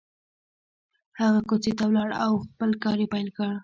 هغه کوڅې ته ولاړ او خپل کار يې پيل کړ.